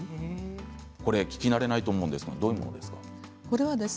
聞き慣れないと思いますがどういうものですか？